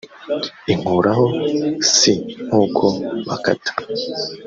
inkuraho c nk uko bakata